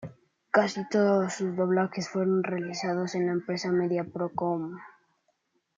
Casi todos sus doblajes fueron realizados en la empresa Media Pro Com.